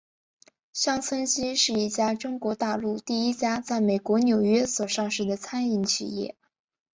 乡村基是一家中国大陆第一家在美国纽交所上市的餐饮企业。